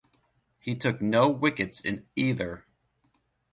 He took no wickets in either.